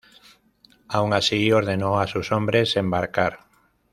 Aun así ordenó a sus hombres embarcar.